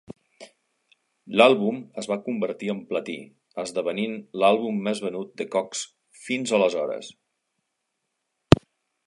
L'àlbum es va convertir en platí, esdevenint l'àlbum més venut de Cox fins aleshores.